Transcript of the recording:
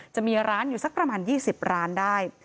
จะมีร้านอยู่สักประมาณ๒๐ร้านได้